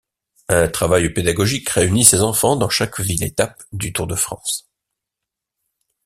Un travail pédagogique réunit ces enfants dans chaque ville étape du Tour de France.